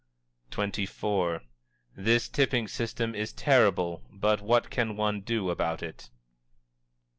_" XXIV. "_This tipping system is terrible, but what can one do about it?